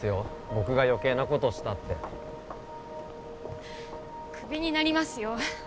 僕が余計なことをしたってクビになりますよ